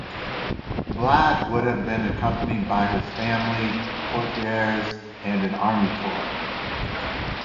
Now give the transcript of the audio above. Vlad would have been accompanied by his family, courtiers, and an army corps.